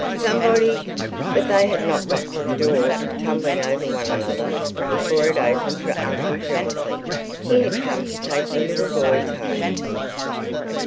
Somebody!" But they had not got to the door, tumbling over one another, before it opened for Uncle Jonathan. He had come to take the little boys home.